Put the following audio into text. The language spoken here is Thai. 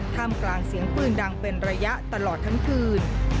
ท่ามกลางเสียงปืนดังเป็นระยะตลอดทั้งคืน